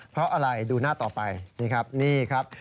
เพราะอะไรดูหน้าต่อไปนี่ครับนี่ครับ